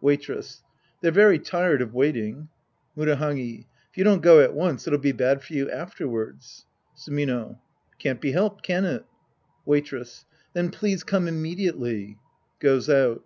Waitress. They're very tired of waiting. Murahagi. If you don't go at once, it'll be bad for you afterwards. Sumino. It can't be helped, can it ? Waitress. Then please come immediately. (Goes out.)